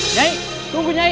nyai tunggu nyai